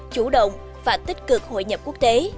chủ động và tích cực hội nhập quốc tế